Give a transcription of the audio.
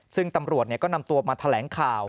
ซึ่งตำรวจก็นำตัวมาแถลงข่าว